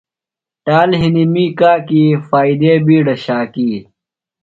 ٹال ہِنیۡ می کاکی، فائدے بِیڈہ شاکی